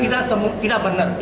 tidak benar itu